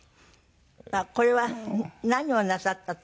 これは何をなさった時。